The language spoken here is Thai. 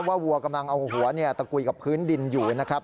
วัวกำลังเอาหัวตะกุยกับพื้นดินอยู่นะครับ